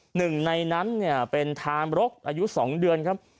หนึ่งในนั้นเนี่ยเป็นทามรกอายุ๒เดือนครับ